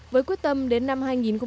với quyết tâm đến năm hai nghìn hai mươi